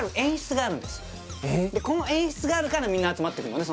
この演出があるからみんな集まってくるのね